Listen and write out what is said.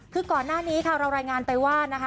คือก่อนหน้านี้ค่ะเรารายงานไปว่านะคะ